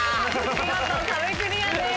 見事壁クリアです。